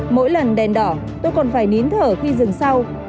mỗi lần đèn đỏ tôi còn phải nín thở khi dừng sau